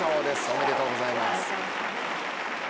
おめでとうございます。